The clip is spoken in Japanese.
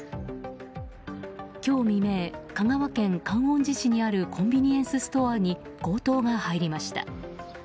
今日未明、香川県観音寺市にあるコンビニエンスストアに強盗が入りました。